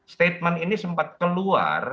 statement ini sempat keluar